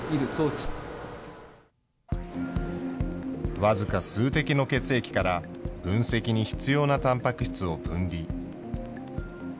僅か数滴の血液から、分析に必要なたんぱく質を分離。